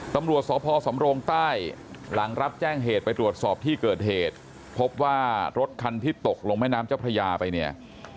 ตำรวจสพสำโรงใต้หลังรับแจ้งเหตุไปตรวจสอบที่เกิดเหตุพบว่ารถคันที่ตกลงแม่น้ำเจ้าพระยาไปเนี่ย